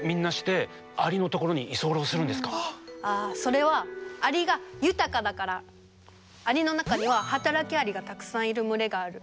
それはアリの中には働きアリがたくさんいる群れがある。